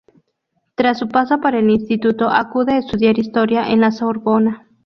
Tras su paso por el instituto, acude a estudiar Historia en La Sorbona.